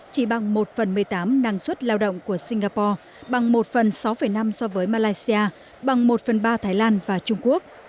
chỉ bằng một phần một mươi tám năng suất lao động của singapore bằng một phần sáu năm so với malaysia bằng một phần ba thái lan và trung quốc